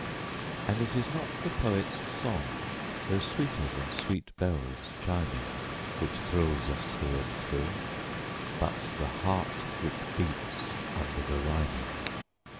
And it is not the poet's song, though sweeter than sweet bells chiming, Which thrills us through and through, but the heart which beats under the rhyming.